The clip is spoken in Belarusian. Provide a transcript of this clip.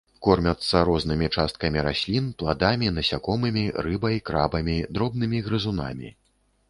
Кормяцца рознымі часткамі раслін, пладамі, насякомымі, рыбай, крабамі, дробнымі грызунамі.